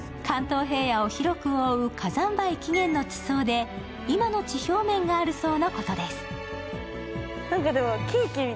関東平野を広く覆う火山灰起源の地層で今の地表面がある層のことです。